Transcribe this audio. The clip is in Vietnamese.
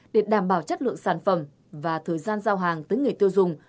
để đảm bảo chất lượng sản phẩm và thời gian giao hàng tới người tiêu dùng